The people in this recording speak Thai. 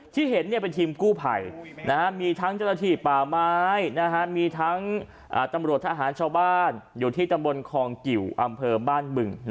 ที่เห็นเป็นทีมกู้ภัยมีทั้งเจ้าหน้าที่ป่าไม้มีทั้งตำรวจทหารชาวบ้านอยู่ที่ตำบลคองกิวอำเภอบ้านบึง